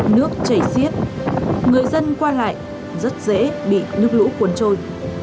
nước chảy xiết người dân qua lại rất dễ bị nước lũ cuốn trôi